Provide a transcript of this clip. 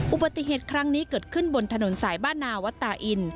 อุบัติเหตุครั้งนี้เกิดขึ้นบนถนนสายบ้านนาวัดตาอิน